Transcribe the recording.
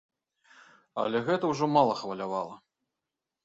Але гэта ўжо мала хвалявала.